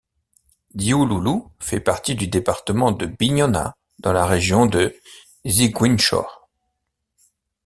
Diouloulou fait partie du département de Bignona dans la région de Ziguinchor.